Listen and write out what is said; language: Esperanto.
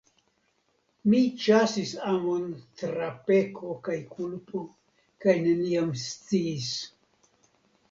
Mi ĉasis amon tra peko kaj kulpo, kaj neniam sciis.